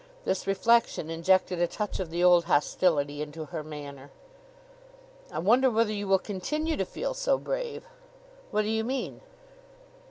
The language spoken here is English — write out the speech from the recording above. This reflection injected a touch of the old hostility into her manner. "I wonder whether you will continue to feel so brave." "What do you mean?"